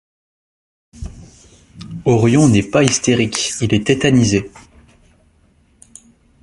Orion n’est pas hystérique : il est tétanisé.